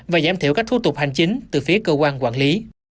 và giảm thiểu các thủ tục hành chính từ phía cơ quan quản lý